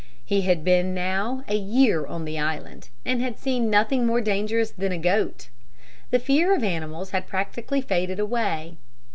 He had been now a year on the island and had seen nothing more dangerous than a goat. The fear of animals had practically faded away.